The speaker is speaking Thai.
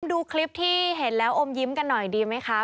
ดูคลิปที่เห็นแล้วอมยิ้มกันหน่อยดีไหมคะ